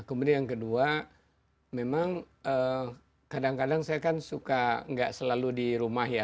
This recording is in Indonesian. kemudian yang kedua memang kadang kadang saya kan suka nggak selalu di rumah ya